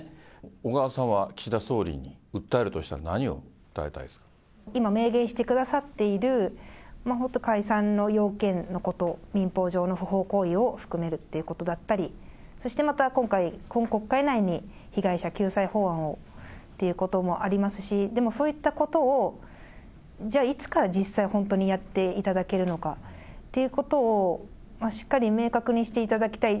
小川さんは岸田総理に訴えるとしたら、今、明言してくださっている、解散の要件のこと、民法上の不法行為を含めるっていうことだったり、そしてまた今回、今国会内に被害者救済法案をっていうこともありますし、でもそういったことを、じゃあいつから実際本当にやっていただけるのかっていうことを、しっかり明確にしていただきたい。